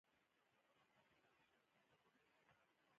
دوکاندار خپل اجناس وخت پر وخت نوی کوي.